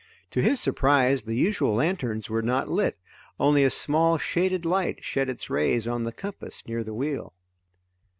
To his surprise the usual lanterns were not lit; only a small shaded light shed its rays on the compass near the wheel.